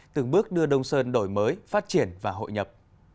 từng bước đưa đông sơn đổi mới phát triển và hội nhập